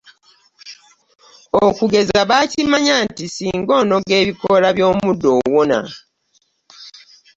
Okugeza baakimanya nti singa onoga ebikoola by'omuddo owona.